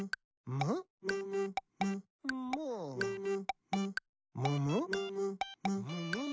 「むむむむ